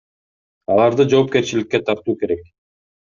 Аларды жоопкерчиликке тартуу керек.